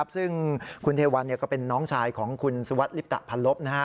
ซึ่งคุณเทวันก็เป็นน้องชายของคุณสุวัสดิลิปตะพันลบ